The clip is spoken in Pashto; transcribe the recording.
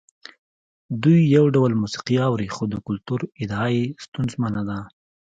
دوی یو ډول موسیقي اوري خو د کلتور ادعا یې ستونزمنه ده.